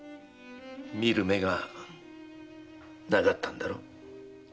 見る目がなかったんだろ。